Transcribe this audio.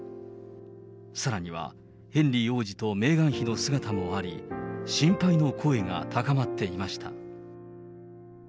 さらにはヘンリー王子とメーガン妃の姿もあり、心配の声が高まっていました。